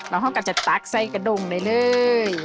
เราก็จะตักใส่กระดงได้เลย